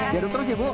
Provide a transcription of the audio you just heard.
jadung terus ya bu